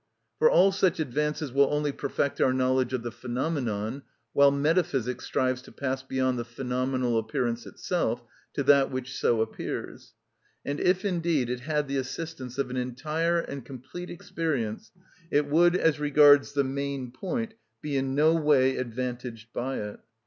For all such advances will only perfect our knowledge of the phenomenon; while metaphysics strives to pass beyond the phenomenal appearance itself, to that which so appears. And if indeed it had the assistance of an entire and complete experience, it would, as regards the main point, be in no way advantaged by it.